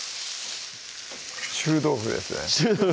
臭豆腐ですね